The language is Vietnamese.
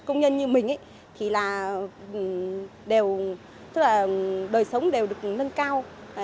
công nhân như mình thì đời sống đều được nâng cao